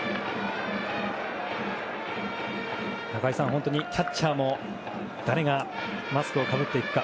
中居さん、キャッチャーも誰がマスクをかぶっていくか。